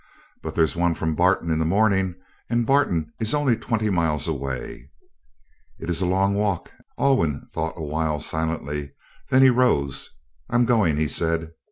"But there's one from Barton in the morning and Barton is only twenty miles away." "It is a long walk." Alwyn thought a while, silently. Then he rose. "I'm going," he said.